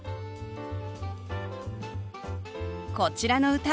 こちらの歌